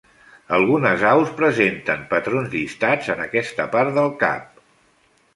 Algunes aus presenten patrons llistats en aquesta part del cap.